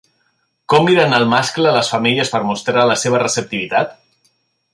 Com miren el mascle les femelles per mostrar la seva receptivitat?